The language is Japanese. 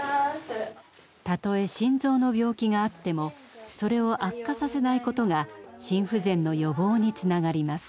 たとえ心臓の病気があってもそれを悪化させないことが心不全の予防につながります。